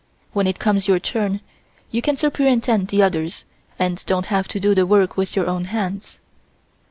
When it comes your turn, you can superintend the others and don't have to do the work with your own hands."